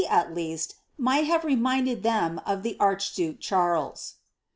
at leasLi might have reminded them of the archduke Charles."